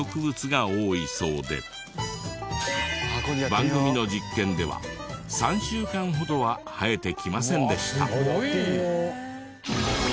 番組の実験では３週間ほどは生えてきませんでした。